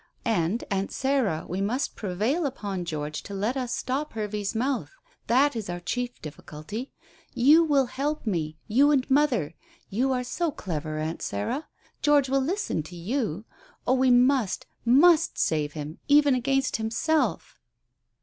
And, 'Aunt' Sarah, we must prevail upon George to let us stop Hervey's mouth. That is our chief difficulty. You will help me you and mother. You are so clever, 'Aunt' Sarah. George will listen to you. Oh, we must must save him, even against himself."